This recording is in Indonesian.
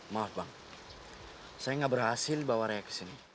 maaf bang saya gak berhasil bawa raya kesini